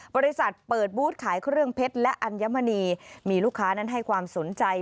บริษัทเปิดบูธขายเครื่องเพชรและอัญมณีมีลูกค้านั้นให้ความสนใจ